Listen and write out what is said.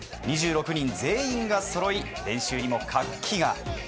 ２６人全員がそろい練習にも活気が。